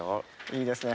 いいですね。